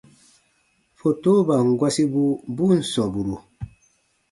Fotoban gɔsibu bu ǹ sɔmburu.